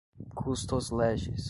custos legis